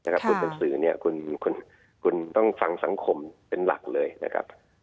คุณเป็นสื่อคุณต้องฟังสังคมเป็นหลักเลยนะครับ